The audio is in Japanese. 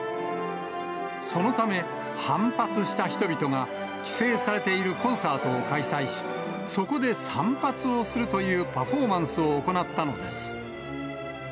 そのため、反発した人々が、規制されているコンサートを開催し、そこで散髪をするというパフォーマンスを行ったのです。